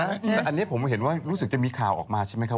แต่อันนี้ผมเห็นว่ารู้สึกจะมีข่าวออกมาใช่ไหมครับ